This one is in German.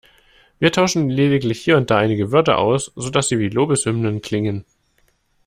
Wir tauschen lediglich hier und da einige Wörter aus, sodass sie wie Lobeshymnen klingen.